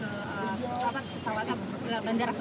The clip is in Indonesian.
pasang pesawatnya ke bandara